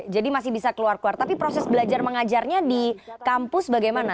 masih bisa keluar keluar tapi proses belajar mengajarnya di kampus bagaimana